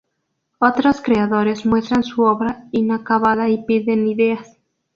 Otros creadores muestran su obra inacabada y piden ideas.